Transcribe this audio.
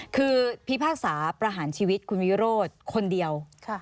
คือพิพากษาประหารชีวิตคุณวิโรธคนเดียว